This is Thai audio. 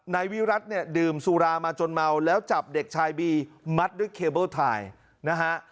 นายวิรัติเนี่ยดื่มสุรามาจนเมาแล้วจับเด็กชายบีมัดด้วยเคเบิ้ลไทยนะฮะ